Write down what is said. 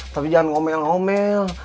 tapi jangan ngomel ngomel